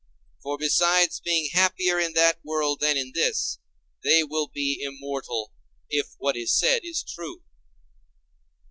For besides being happier in that world than in this, they will be immortal, if what is said is true.